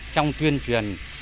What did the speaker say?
trong tuyên truyền